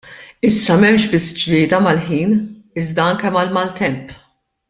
Issa m'hemmx biss glieda mal-ħin iżda anke mal-maltemp.